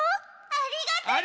ありがとう！